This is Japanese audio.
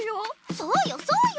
そうよそうよ！